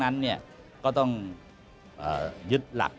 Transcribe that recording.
ทั้งนี้ทั้งนั้นก็ต้องยึดหลัก